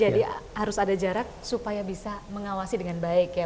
jadi harus ada jarak supaya bisa mengawasi dengan baik ya pak